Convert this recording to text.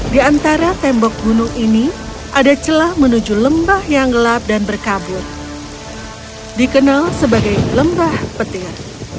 di antara tembok gunung ini ada celah menuju lembah yang gelap dan berkabut dikenal sebagai lembah petir